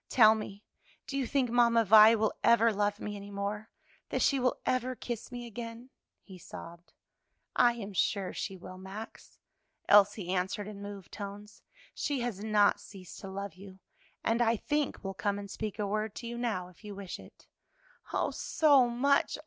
"Tell me, do you think Mamma Vi will ever love me any more? that she will ever kiss me again?" he sobbed. "I am sure she will, Max," Elsie answered in moved tones; "she has not ceased to love you, and I think will come and speak a word to you now, if you wish it." "Oh, so much!